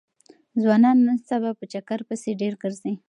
ځوانان نن سبا په چکر پسې ډېر ګرځي.